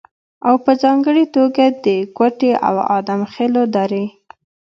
او په ځانګړې توګه د کوټې او ادم خېلو درې